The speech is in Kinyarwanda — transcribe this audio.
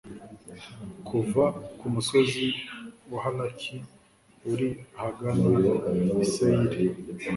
kuva ku musozi wa halaki uri ahagana i seyiri